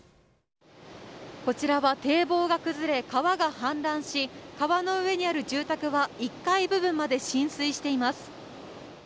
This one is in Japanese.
こちらは堤防が崩れ川が氾濫し川の上にある住宅は１階部分まで浸水しています。